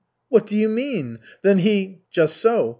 "What do you mean? Then he " "Just so.